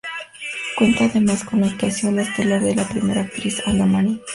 Cuenta además con la actuación estelar de la primera actriz Ana Martín.